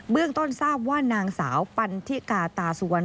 เรื่องต้นทราบว่านางสาวปันทิกาตาสุวรรณ